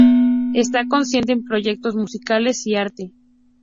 Ésta consiste en proyectos musicales y arte.